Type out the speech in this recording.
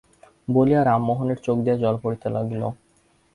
বলিয়া রামমোহনের চোখ দিয়া জল পড়িতে লাগিল।